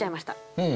うん。